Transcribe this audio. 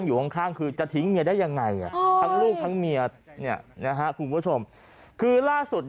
ยังไม่ได้เขียนวัคซีนเลยหรอ